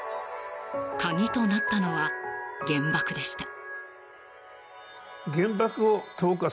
鍵となったのは、原爆でした。